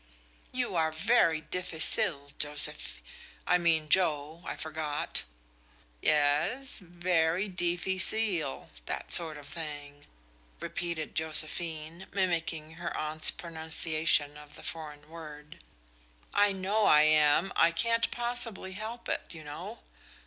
"You are very difficile, Josephi I mean Joe, I forgot." "Ye es, very diffyseal that sort of thing," repeated Josephine, mimicking her aunt's pronunciation of the foreign word, "I know I am, I can't possibly help it, you know."